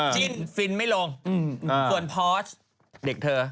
จิ้นฟินไม่ลงส่วนพอสเด็กเธอ